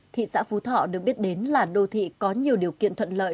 thị xã phú thọ được biết đến là đô thị có nhiều điều kiện thuận lợi